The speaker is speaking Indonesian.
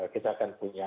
kita akan punya